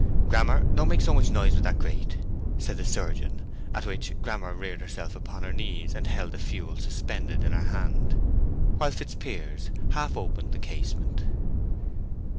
"Grammer, don't make so much noise with that grate," said the surgeon; at which Grammer reared herself upon her knees and held the fuel suspended in her hand, while Fitzpiers half opened the casement.